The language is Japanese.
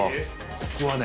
ここはね